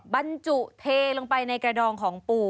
บรรจุเทลงไปในกระดองของปู่